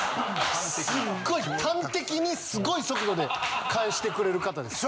すっごい端的にすごい速度で返してくれる方です。